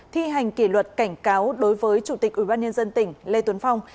thi hành kỷ luật cảnh cáo đối với chủ tịch ủy ban nhân dân tỉnh lê tuấn phong